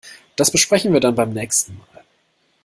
Das besprechen wir dann beim nächsten Mal.